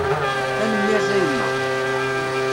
Tanemmirt a yemma.